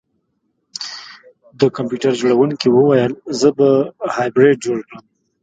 د کمپیوټر جوړونکي وویل زه به هایبریډ جوړ کړم